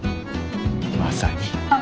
まさに。